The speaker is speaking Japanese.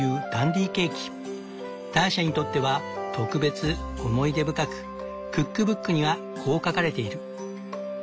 ターシャにとっては特別思い出深くクックブックにはこう書かれている。